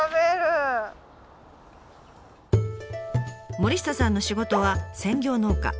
森下さんの仕事は専業農家。